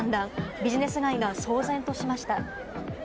ビジネス街が騒然としました。